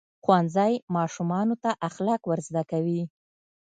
ښوونځی ماشومانو ته اخلاق ورزده کوي.